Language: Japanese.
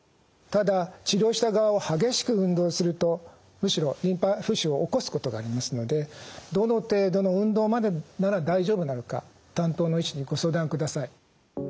ただ治療した側を激しく運動するとむしろリンパ浮腫を起こすことがありますのでどの程度の運動までなら大丈夫なのか担当の医師にご相談ください。